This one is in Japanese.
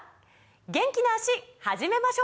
元気な脚始めましょう！